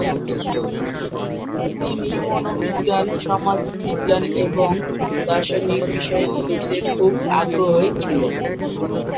তিনি মনোবিজ্ঞান, সমাজবিজ্ঞান এবং দর্শনের বিষয়গুলিতে খুব আগ্রহী ছিলেন।